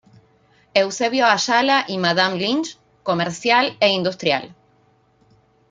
Eusebio Ayala y Madame Lynch, comercial e industrial.